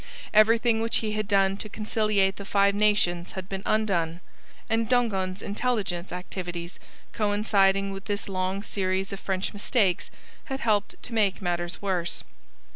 Everything which he had done to conciliate the Five Nations had been undone; and Dongan's intelligent activities, coinciding with this long series of French mistakes, had helped to make matters worse.